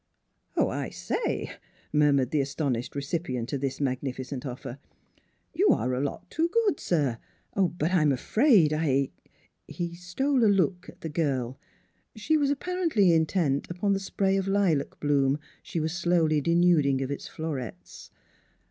" Oh, I say," murmured the astonished re cipient of this magnificent offer. " You are a lot too good, sir; but I'm afraid I " He stole a look at the girl. She was appar ently intent upon the spray of lilac bloom she was slowly denuding of its florets.